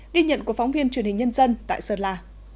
ghi nhận của phóng viên truyền hình nhân dân tại sơn la